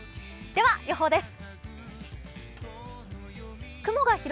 では予報です。